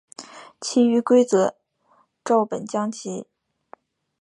其余规则照本将棋。